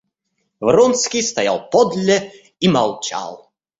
Вронский стоял подле и молчал.